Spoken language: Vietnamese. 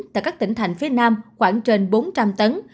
tại các tỉnh thành phía nam khoảng trên bốn trăm linh tấn